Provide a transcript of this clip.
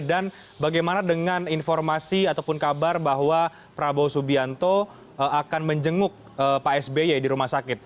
dan bagaimana dengan informasi ataupun kabar bahwa prabowo subianto akan menjenguk pak sby di rumah sakit